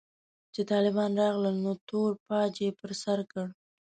چې طالبان راغلل نو تور پاج يې پر سر کړ.